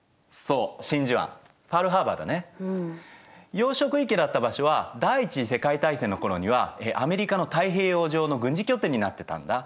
養殖池だった場所は第一次世界大戦の頃にはアメリカの太平洋上の軍事拠点になってたんだ。